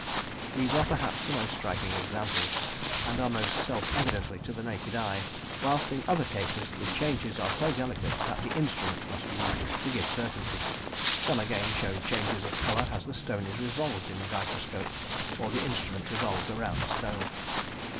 These are perhaps the most striking examples, and are mostly self evident to the naked eye, whilst in other cases, the changes are so delicate that the instrument must be used to give certainty; some again show changes of colour as the stone is revolved in the dichroscope, or the instrument revolved round the stone.